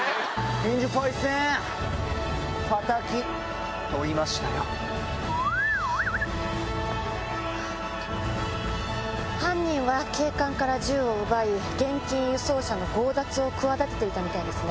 インジパイセン、敵、犯人は警官から銃を奪い、現金輸送車の強奪を企てていたみたいですね。